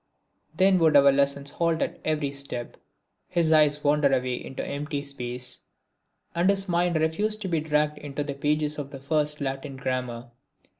Then would our lessons halt at every step; his eyes wander away into empty space; and his mind refuse to be dragged into the pages of the first Latin Grammar.